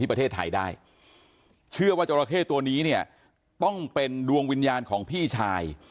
ประเทศไทยได้เชื่อว่าจราเข้ตัวนี้เนี่ยต้องเป็นดวงวิญญาณของพี่ชาย